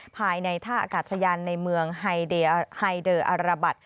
ภายในท่าอากาศยันต์ในเมืองไฮเดอราบัส